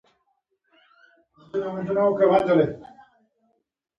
• ښه ملګری د سختو ورځو ملاتړ وي.